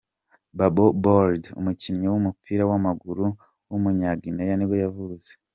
Bobo Baldé, umukinnyi w’umupira w’amaguru w’umunya-Guinea nibwo yavutse.